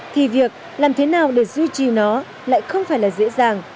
thì việc làm thế nào để duy trì nó lại không phải là dễ dàng